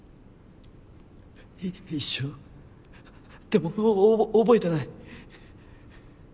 一瞬でも覚えてない。